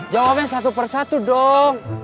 jawabnya satu persatu dong